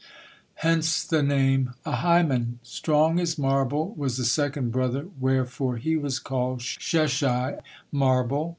Hence the name Ahiman. Strong as marble was the second brother, wherefore he was called Sheshai, "marble."